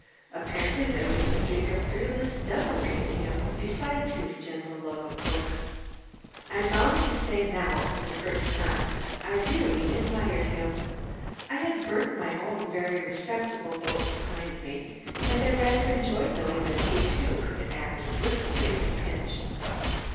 Apparently there was a streak of fearless deviltry in him besides his gentle love of books. I'm bound to say that now, for the first time, I really admired him. I had burnt my own very respectable boats behind me, and I rather enjoyed knowing that he, too, could act briskly in a pinch.